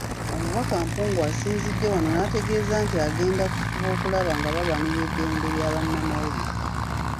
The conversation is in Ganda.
Omubaka Mpuuga asinzidde wano n'ategeeza nti agenda kufuba okulaba nga balwanirira eddembe lya bannamawulire.